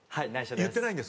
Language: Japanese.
言ってないです。